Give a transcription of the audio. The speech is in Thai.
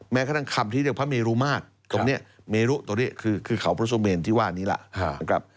แม้กระทั่งคำที่เรียกพระเมรุมาตรตรงนี้เมรุตรงนี้คือเขาพระสุเมนที่ว่านี้ล่ะนะครับ